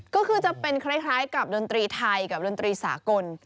ก็คือจะเป็นคล้ายกับดนตรีไทยกับดนตรีสากล